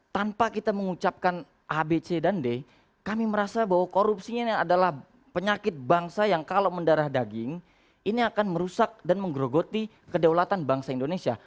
tanpa kita mengucapkan abc dan d kami merasa bahwa korupsinya adalah penyakit bangsa yang kalau mendarah daging ini akan merusak dan menggerogoti kedaulatan bangsa indonesia